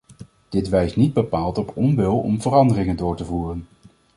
Dit wijst niet bepaald op onwil om veranderingen door te voeren.